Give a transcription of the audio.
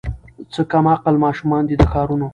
څه کم عقل ماشومان دي د ښارونو